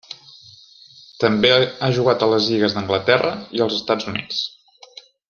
També ha jugat a les lligues d'Anglaterra i els Estats Units.